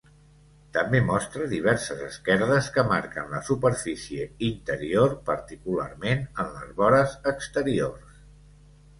També mostra diverses esquerdes que marquen la superfície interior, particularment en les vores exteriors.